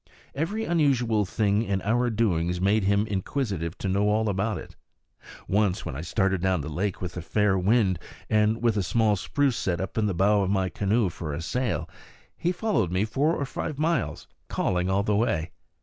Every unusual thing in our doings made him inquisitive to know all about it. Once, when I started down the lake with a fair wind, and a small spruce set up in the bow of my canoe for a sail, he followed me four or five miles, calling all the way.